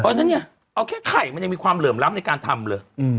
เพราะฉะนั้นเนี่ยเอาแค่ไข่มันยังมีความเหลื่อมล้ำในการทำเลย